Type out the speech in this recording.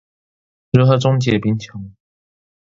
如何終結貧窮？